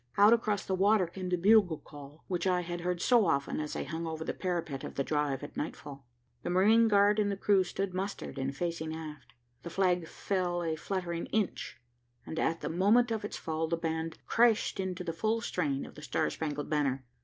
Out across the water came the bugle call, which I had heard so often as I hung over the parapet of the Drive at nightfall. The marine guard and the crew stood mustered and facing aft. The flag fell a fluttering inch, and at the moment of its fall the band crashed into the full strain of the Star Spangled Banner.